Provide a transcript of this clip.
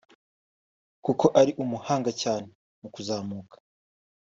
kuko ari umuhanga cyane mu kuzamuka